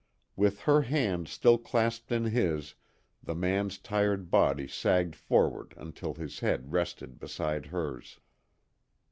With her hand still clasped in his the man's tired body sagged forward until his head rested beside hers.